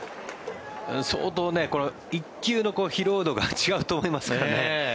相当、１球の疲労度が違うと思いますからね。